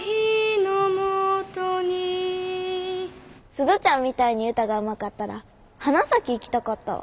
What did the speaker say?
鈴ちゃんみたいに歌がうまかったら花咲行きたかったわ。